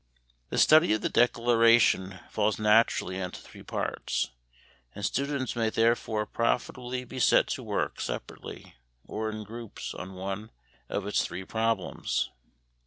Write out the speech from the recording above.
The study of the Declaration falls naturally into three parts and students may therefore profitably be set to work separately or in groups on one of its three problems.